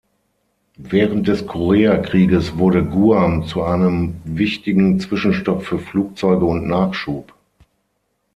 Während des Koreakrieges wurde Guam zu einem wichtigen Zwischenstopp für Flugzeuge und Nachschub.